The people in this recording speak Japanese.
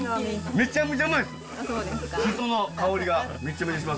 めちゃめちゃウマイです。